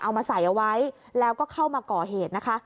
เอามาใส่เอาไว้แล้วก็เข้ามาก่อเหตุนะคะ